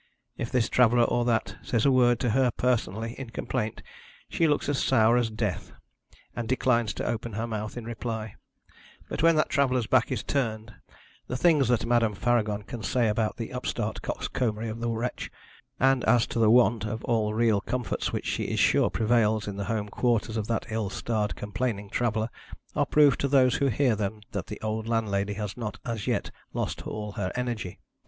If this traveller or that says a word to her personally in complaint, she looks as sour as death, and declines to open her mouth in reply; but when that traveller's back is turned, the things that Madame Faragon can say about the upstart coxcombry of the wretch, and as to the want of all real comforts which she is sure prevails in the home quarters of that ill starred complaining traveller, are proof to those who hear them that the old landlady has not as yet lost all her energy.